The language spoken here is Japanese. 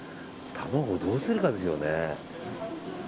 卵どうするかですよね。